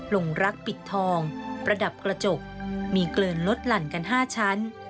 ลงรักปิดทองประดับกระจกมีเกลินลดหลั่นกัน๕ชั้น